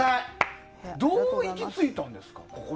どう行き着いたんですか？